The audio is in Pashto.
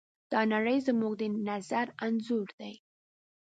دا نړۍ زموږ د نظر انځور دی.